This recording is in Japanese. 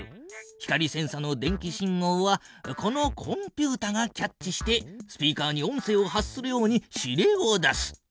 光センサの電気信号はこのコンピュータがキャッチしてスピーカーに音声を発するように指令を出す。